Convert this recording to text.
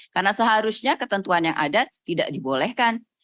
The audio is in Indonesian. karena seharusnya ketentuan yang ada tidak dibolehkan